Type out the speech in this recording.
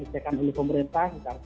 dihidupkan oleh pemerintah kita harus